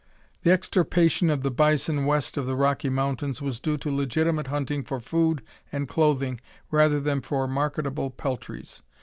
The extirpation of the bison west of the Rocky Mountains was due to legitimate hunting for food and clothing rather than for marketable peltries.